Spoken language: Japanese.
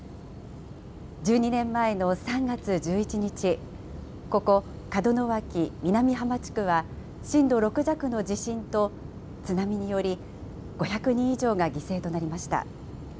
１２年前の３月１１日、ここ、門脇・南浜地区は、震度６弱の地震と津波により、５００人以上が犠牲となりました。